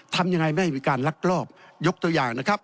ทำยังไงไม่ให้มีการลักลอบยกตัวอย่างนะครับ